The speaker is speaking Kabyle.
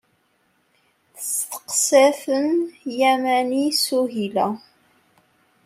Testeqsa-ten Yamani Suhila.